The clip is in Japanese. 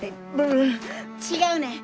違うねん！